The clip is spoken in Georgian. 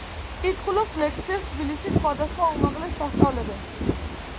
კითხულობს ლექციებს თბილისის სხვადასხვა უმაღლეს სასწავლებელში.